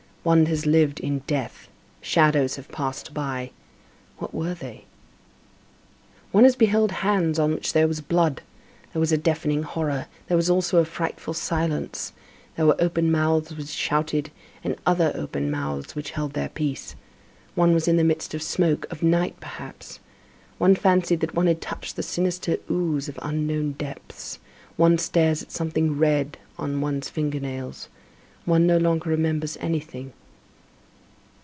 One has lived in death. Shadows have passed by. What were they? One has beheld hands on which there was blood; there was a deafening horror; there was also a frightful silence; there were open mouths which shouted, and other open mouths which held their peace; one was in the midst of smoke, of night, perhaps. One fancied that one had touched the sinister ooze of unknown depths; one stares at something red on one's finger nails. One no longer remembers anything.